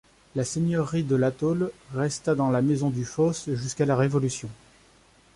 La seigneurie de Lataule resta dans la maison du Fos jusqu'à la Révolution.